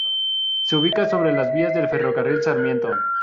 Se ubica sobre las vías del Ferrocarril Sarmiento.